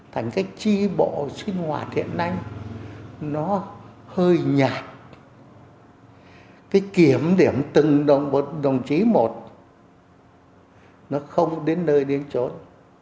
thành cái tri bộ sinh hoạt hiện nay nó hơi nhạt cái kiểm niệm từng đồng chí một nó không đến nơi đến chốn